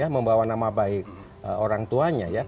membawa nama baik orang tuanya ya